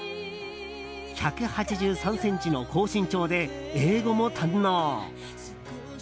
１８３ｃｍの高身長で英語も堪能。